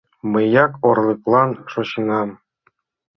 Мыяк орлыклан шочынам...